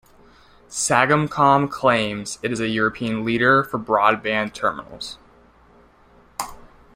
Sagemcom claims it is a European leader for broadband terminals.